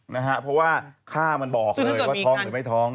นะฮะเพราะว่าค่ามันบอกเลยว่าท้องหรือไม่ท้อง